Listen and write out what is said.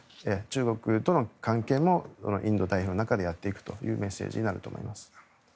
中国との関係もインド太平洋の中でやっていくというメッセージになると思います。